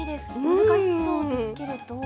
難しそうですけれど。